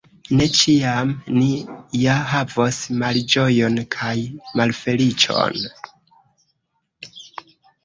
Ne ĉiam ni ja havos malĝojon kaj malfeliĉon!